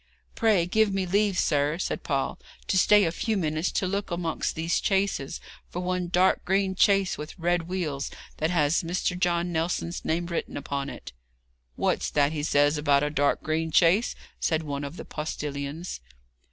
'Pray give me leave, sir,' said Paul, 'to stay a few minutes to look amongst these chaises for one dark green chaise with red wheels that has Mr. John Nelson's name written upon it.' 'What's that he says about a dark green chaise?' said one of the postillions.